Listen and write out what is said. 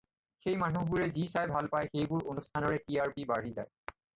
সেই মানুহবোৰে যি চাই ভাল পায় সেইবোৰ অনুষ্ঠানৰে টি আৰ পি বাঢ়ি যায়।